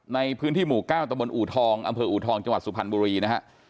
ในพื้นที่หมู่๙ตะบนอูทองอำเภออูทองจังหวัดสุพรรณบุรีนะฮะ